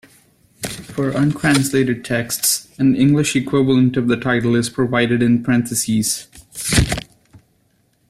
For untranslated texts, an English equivalent of the title is provided in parentheses.